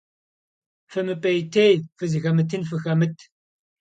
ФымыпӀейтей, фызыхэмытын фыхэмыт.